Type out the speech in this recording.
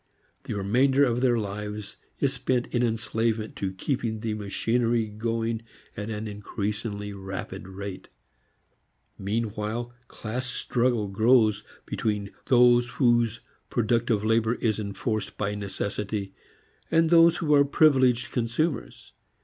The remainder of their lives is spent in enslavement to keeping the machinery going at an increasingly rapid rate. Meantime class struggle grows between those whose productive labor is enforced by necessity and those who are privileged consumers.